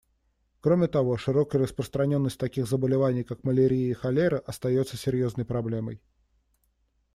Кроме того, широкая распространенность таких заболеваний, как малярия и холера, остается серьезной проблемой.